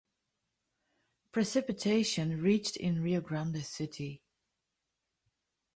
Precipitation reached in Rio Grande City.